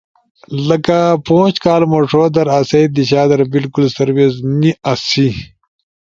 لکہ پوش کال موݜو در اسئی دیشا در بالکل سروس نی آسی۔